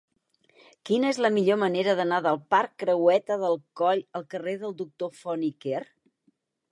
Quina és la millor manera d'anar del parc Creueta del Coll al carrer del Doctor Font i Quer?